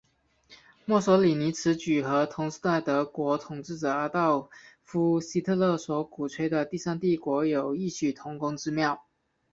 墨索里尼此举和同时代德国统治者阿道夫希特勒所鼓吹的第三帝国有异曲同工之妙。